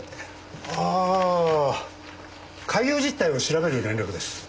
ああ開業実態を調べる連絡です。